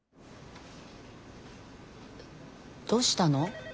どうしたの？